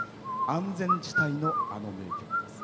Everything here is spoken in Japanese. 安全地帯のあの名曲です。